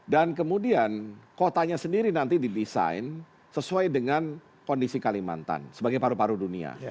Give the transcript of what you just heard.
kemudian kotanya sendiri nanti didesain sesuai dengan kondisi kalimantan sebagai paru paru dunia